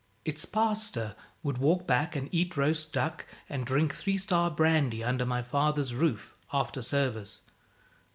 Its pastor would walk back and eat roast duck and drink three star brandy under my father's roof after service.